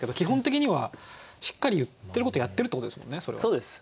そうです。